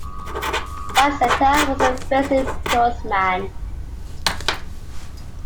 Sassetta was a fiercely pious man.